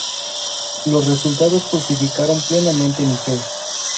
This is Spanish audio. Los resultados justificaron plenamente mi fe.